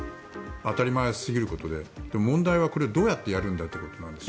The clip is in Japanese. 当たり前すぎることで問題はこれをどうやってやるかということなんです。